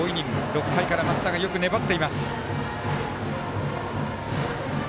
６回から増田がよく粘っています。